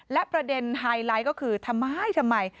และประเด็นไฮไลท์ก็คือทำไมทำไม